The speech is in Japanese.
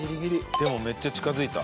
でもめっちゃ近づいた。